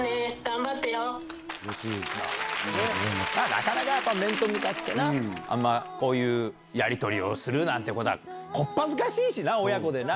なかなか面と向かってこういうやりとりをするなんてことは小っ恥ずかしいしな親子でな。